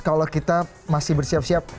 kalau kita masih bersiap siap